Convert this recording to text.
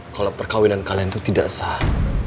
kalau perkawinan kalian itu tidak sah